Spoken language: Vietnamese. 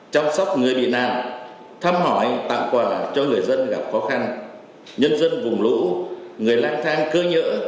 chăm sóc người bị nạn thăm hỏi tặng quà cho người dân gặp khó khăn nhân dân vùng lũ người lang thang cơ nhỡ